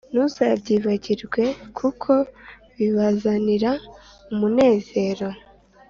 ntuzabyibagirwe, kuko bibazanira umunezero